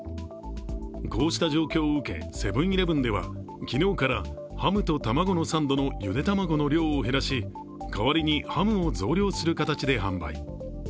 こうした状況を受け、セブン−イレブンでは昨日からハムとたまごのサンドのゆで卵の量を減らし代わりにハムを増量する形で販売。